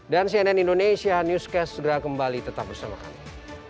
dan cnn indonesia newscast sudah kembali tetap bersama kami